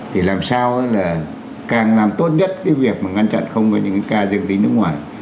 để làm sao là càng làm tốt nhất cái việc mà ngăn chặn không có những cái ca dương tính nước ngoài